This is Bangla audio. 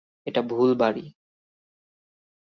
এটা ভুল বাড়ি।